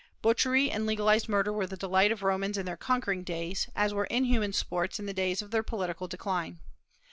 Butchery and legalized murder were the delight of Romans in their conquering days, as were inhuman sports in the days of their political decline.